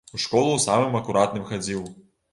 У школу самым акуратным хадзіў.